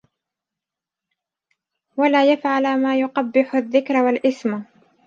وَلَا يَفْعَلَ مَا يُقَبِّحُ الذِّكْرَ وَالِاسْمَ